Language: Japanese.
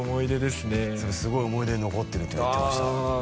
すごい思い出に残ってるって言ってましたうわ